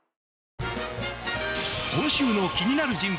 今週の気になる人物